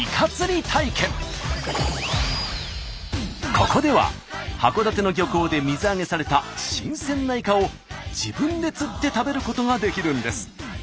ここでは函館の漁港で水揚げされた新鮮なイカを自分で釣って食べることができるんです。